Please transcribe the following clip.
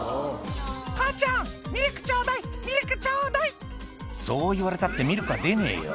「母ちゃんミルクちょうだいミルクちょうだい」「そう言われたってミルクは出ねえよ」